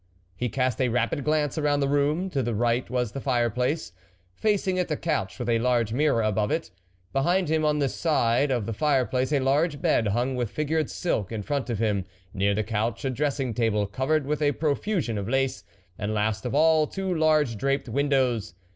He cast a rapid glance round the room ; to the right was the fireplace ; facing it a couch with a large mirror above it ; be hind him, on the side of the fire place, a large bed, hung with figured silk ; in front of him, near the couch, a dressing table covered with a profusion of lace, and, last of all, two large draped windows.